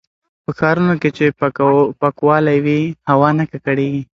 په ښارونو کې چې پاکوالی وي، هوا نه ککړېږي.